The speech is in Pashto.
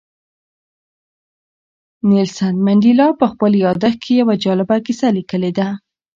نیلسن منډېلا په خپل یاداښت کې یوه جالبه کیسه لیکلې ده.